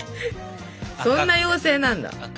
そんな妖精なんだ？